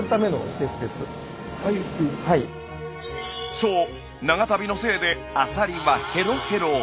そう長旅のせいでアサリはヘロヘロ。